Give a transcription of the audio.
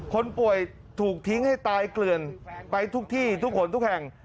คนป่วยถูกทิ้งให้ตายเกลื่อนไปทุกที่ทุกคนทุกแห่ง